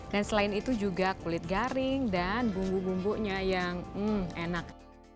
dan selain itu juga kulit garing dan bumbu bumbunya yang sangat enak